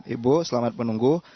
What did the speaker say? ibu selamat menunggu